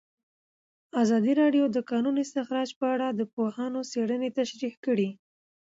ازادي راډیو د د کانونو استخراج په اړه د پوهانو څېړنې تشریح کړې.